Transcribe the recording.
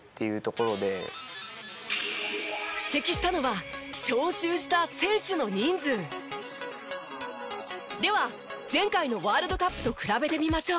指摘したのは招集した選手の人数。では前回のワールドカップと比べてみましょう。